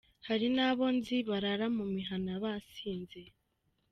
Hari n’abo nzi barara mu mihana basinze.